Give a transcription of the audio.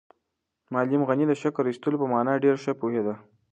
معلم غني د شکر ایستلو په مانا ډېر ښه پوهېده.